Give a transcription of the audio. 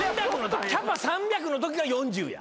キャパ３００のときが４０や。